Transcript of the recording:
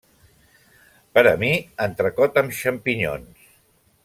Per a mi entrecot amb xampinyons.